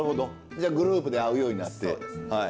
じゃあグループで会うようになって。